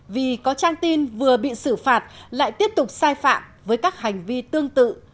vì có trang tin vừa bị xử phạt lại tiếp tục sai phạm với các hành vi tương tự